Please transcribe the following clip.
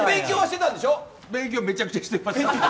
めちゃくちゃしてました。